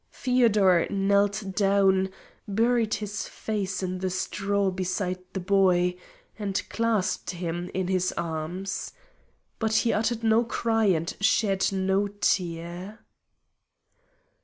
Feodor knelt down, buried his face in the straw beside the boy, and clasped him in his arms. But he uttered no cry and shed no tear.